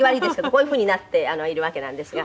こういうふうになっているわけなんですが。